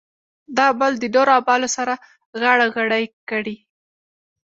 دا عمل د نورو اعمالو سره غاړه غړۍ کړي.